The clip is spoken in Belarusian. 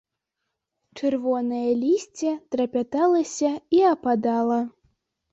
Чырвонае лісце трапяталася і ападала.